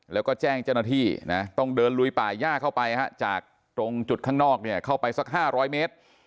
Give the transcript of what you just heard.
แล้วก็แจ้งเจ้าหน้าที่นะต้องเดินลุยป่าย่าเข้าไปจากตรงจุดข้างนอกเนี่ยเข้าไปสัก๕๐๐เมตร